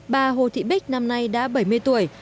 bà hồ thị bích năm nay đã bảy mươi tuổi